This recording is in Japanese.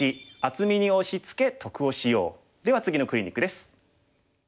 では次のクリニックです。